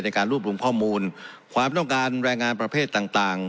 การรวบรวมข้อมูลความต้องการแรงงานประเภทต่าง